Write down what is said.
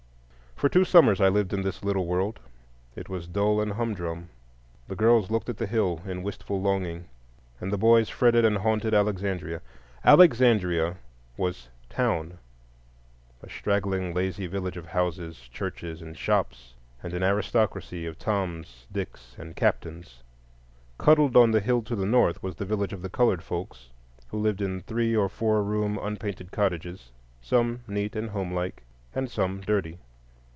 For two summers I lived in this little world; it was dull and humdrum. The girls looked at the hill in wistful longing, and the boys fretted and haunted Alexandria. Alexandria was "town,"—a straggling, lazy village of houses, churches, and shops, and an aristocracy of Toms, Dicks, and Captains. Cuddled on the hill to the north was the village of the colored folks, who lived in three or four room unpainted cottages, some neat and homelike, and some dirty.